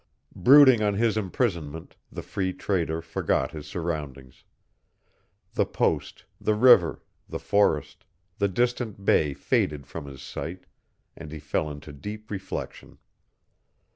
Brooding on his imprisonment the Free Trader forgot his surroundings. The post, the river, the forest, the distant bay faded from his sight, and he fell into deep reflection.